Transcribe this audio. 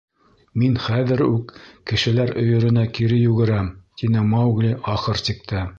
— Мин хәҙер үк кешеләр өйөрөнә кире йүгерәм, — тине Маугли ахыр сиктә.